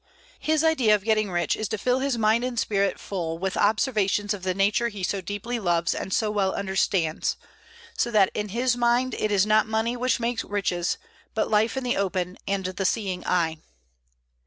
His idea of getting rich is to fill his mind and spirit full with observations of the nature he so deeply loves and so well understands; so that in his mind it is not money which makes riches, but life in the open and the seeing eye.